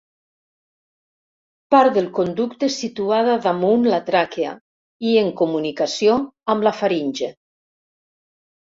Part del conducte situada damunt la tràquea i en comunicació amb la faringe.